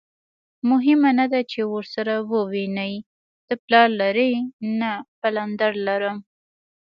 مهمه نه ده چې ورسره ووینې، ته پلار لرې؟ نه، پلندر لرم.